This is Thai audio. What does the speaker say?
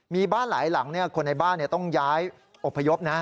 มีบ้านหลายหลังคนในบ้านต้องย้ายอบพยพนะ